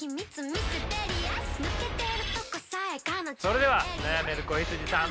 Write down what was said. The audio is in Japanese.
それでは悩める子羊さん。